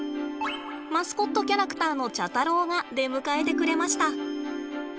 マスコットキャラクターの茶太郎が出迎えてくれました。